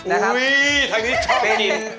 อุ๊ยทางนี้ชอบกิน